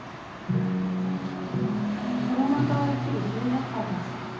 コロナ禍を生きる１８歳たち。